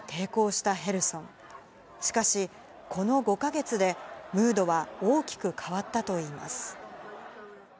しかしこの５か月で、ムードは大きく変わったといいます。